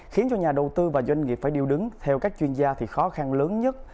khiến cho nhà đầu tư và doanh nghiệp phải điêu đứng theo các chuyên gia thì khó khăn lớn nhất